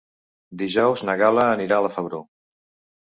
Dijous na Gal·la anirà a la Febró.